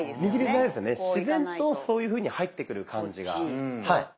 自然とそういうふうに入ってくる感じが。